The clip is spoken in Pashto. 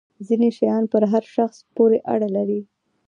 ځینې شیان پر هر شخص پورې اړه لري.